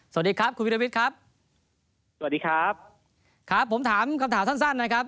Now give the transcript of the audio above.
สวัสดีครับคุณวิรวิทย์ครับสวัสดีครับครับผมถามคำถามสั้นสั้นนะครับ